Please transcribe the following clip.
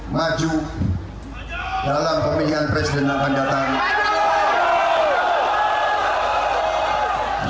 maju dalam pemilihan presiden dalam pandatan